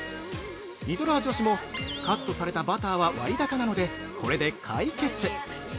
ニトラー女子も「カットされたバターは割高なので、これで解決！」